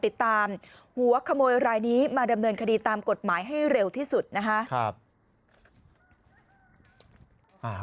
ติดตามหัวขโมยรายนี้มาดำเนินคดีตามกฎหมายให้เร็วที่สุดนะคะ